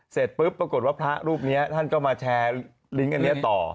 เสร็จปุ๊บปรากฏว่าพระรูปนี้ท่านก็มาแชร์ลิงก์อันนี้ต่อ